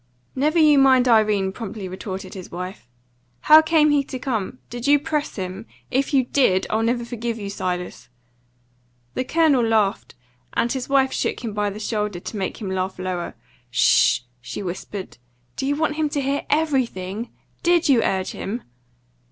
"Never you mind Irene," promptly retorted his wife. "How came he to come? Did you press him? If you DID, I'll never forgive you, Silas!" The Colonel laughed, and his wife shook him by the shoulder to make him laugh lower. "'Sh!" she whispered. "Do you want him to hear EVERY thing? DID you urge him?"